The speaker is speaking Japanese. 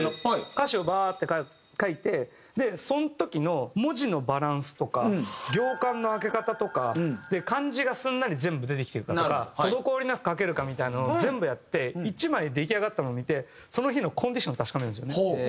歌詞をバーッて書いてその時の文字のバランスとか行間の空け方とか漢字がすんなり全部出てきてるかとか滞りなく書けるかみたいなのを全部やって一枚出来上がったものを見てその日のコンディションを確かめるんですよね。